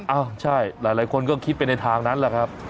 เอ้าใช่หลายคนก็คิดไปในทางนั้นแหละครับ